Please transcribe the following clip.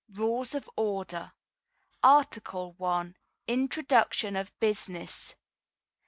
Rules of Order. Art. I. Introduction of Business.